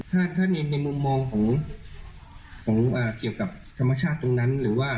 ถ้าในมุมมองเกี่ยวกับธรรมชาติตรงนั้น